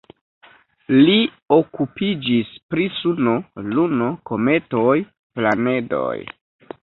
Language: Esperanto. Li okupiĝis pri Suno, Luno, kometoj, planedoj.